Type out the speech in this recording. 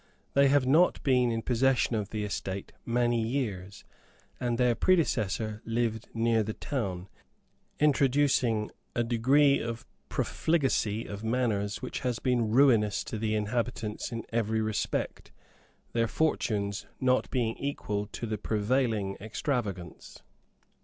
They have not been in possession of the estate many years; and their predecessor lived near the town, introducing a degree of profligacy of manners which has been ruinous to the inhabitants in every respect, their fortunes not being equal to the prevailing extravagance.